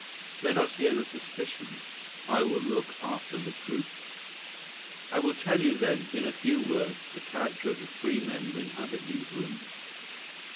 "Let us hear the suspicions. I will look after the proofs." "I will tell you, then, in a few words the character of the three men who inhabit these rooms.